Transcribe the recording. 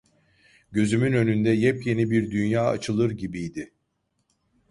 Gözümün önünde yepyeni bir dünya açılır gibiydi.